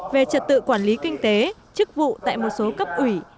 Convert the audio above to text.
về trật tự quản lý kinh tế chức vụ tại một số cấp ủy